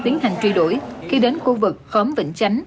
tiến hành truy đuổi khi đến khu vực khóm vĩnh chánh